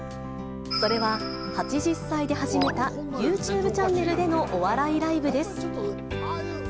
それは８０歳で始めたＹｏｕＴｕｂｅチャンネルでのお笑いライブです。